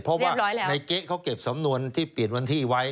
เพราะว่าในเก๊ะเขาเก็บสำนวนที่เปลี่ยนวันที่ไว้